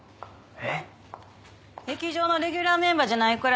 えっ。